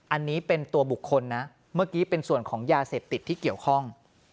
อันนี้เป็นตัวบุคคลนะเมื่อกี้เป็นส่วนของยาเสพติดที่เกี่ยวข้อง